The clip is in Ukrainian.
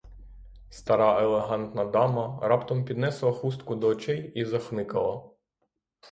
Стара елегантна дама раптом піднесла хустку до очей і захлипала.